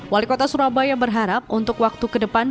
wali kota surabaya berharap untuk waktu ke depan